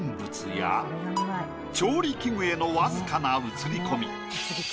調理器具へのわずかな映り込み。